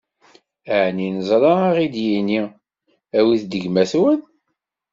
Ɛni neẓra ad ɣ-id-yini: Awit-d gma-twen?